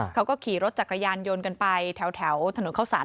เขาก็ขี่รถจักรยานยนต์กันไปแถวถนนเข้าสาร